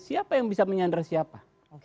siapa yang bisa menyandar siapa